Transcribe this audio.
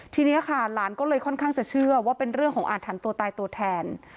ทีนี้ค่ะหลานก็เลยค่อนข้างจะเชื่อว่าเป็นเรื่องของอาถรรพ์ตัวตายตัวแทน